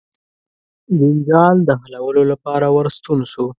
جنجال د حلولو لپاره ورستون سو.